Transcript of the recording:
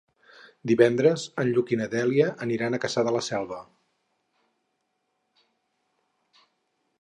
Divendres en Lluc i na Dèlia aniran a Cassà de la Selva.